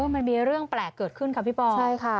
มันมีเรื่องแปลกเกิดขึ้นครับพี่ปอล์